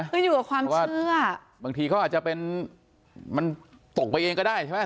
เพราะว่าบางทีเค้าอาจจะเป็นมันตกไปเองก็ได้ใช่ไหม